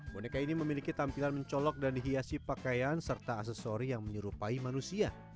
boneka ini memiliki tampilan mencolok dan dihiasi pakaian serta aksesori yang menyerupai manusia